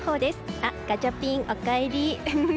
あ、ガチャピン、おかえり。